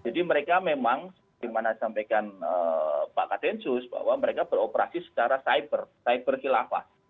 jadi mereka memang seperti yang disampaikan pak kak densus bahwa mereka beroperasi secara cyber cyber khilafah